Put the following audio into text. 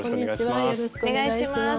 よろしくお願いします。